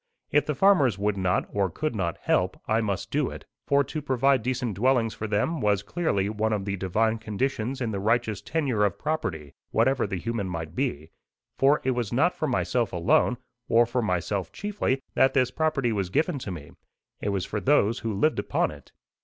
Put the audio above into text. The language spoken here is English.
If the farmers would not, or could not, help, I must do it; for to provide decent dwellings for them, was clearly one of the divine conditions in the righteous tenure of property, whatever the human might be; for it was not for myself alone, or for myself chiefly, that this property was given to me; it was for those who lived upon it.